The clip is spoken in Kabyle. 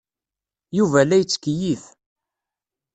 Yuba la yettkeyyif.